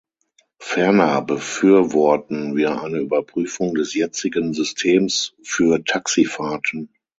Ferner befürworten wir eine Überprüfung des jetzigen Systems für Taxifahrten.